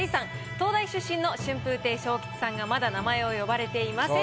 東大出身の春風亭昇吉さんがまだ名前を呼ばれていません。